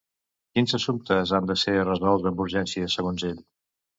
Quins assumptes han de ser resolts amb urgència segons ell?